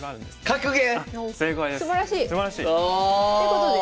格言。